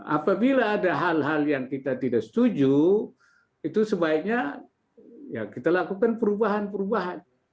apabila ada hal hal yang kita tidak setuju itu sebaiknya ya kita lakukan perubahan perubahan